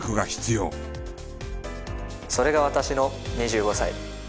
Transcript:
それが私の２５歳。